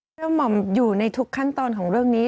เพื่อหม่อมอยู่ในทุกขั้นตอนของเรื่องนี้